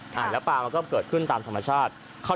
ปลาเกิดขึ้นตามทัมภาษา